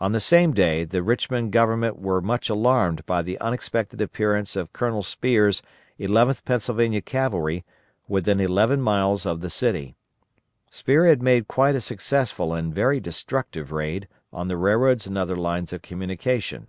On the same day the Richmond Government were much alarmed by the unexpected appearance of Colonel Spear's 11th Pennsylvania Cavalry within eleven miles of the city. Spear had made quite a successful and very destructive raid on the railroads and other lines of communication.